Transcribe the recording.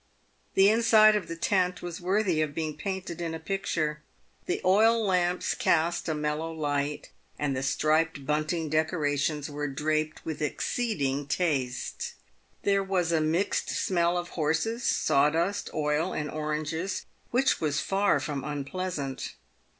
The inside of the tent was worthy of being painted in a picture. The oil lamps cast a mellow light, and the striped bunting decora tions were draped with exceeding taste. There was a mixed smell of horses, sawdust, oil, and oranges, which was far from unpleasant.